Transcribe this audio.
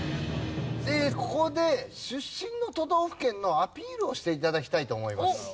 ここで出身の都道府県のアピールをして頂きたいと思います。